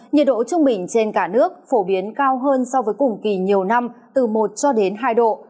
nhiệt độ trung bình trên cả nước phổ biến cao hơn so với cùng kỳ nhiều năm từ một cho đến hai độ